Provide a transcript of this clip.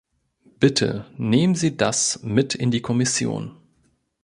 Bitte, nehmen Sie das mit in die Kommission.